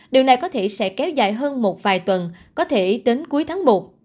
điều này có thể sẽ kéo dài hơn một vài tuần có thể đến cuối tháng một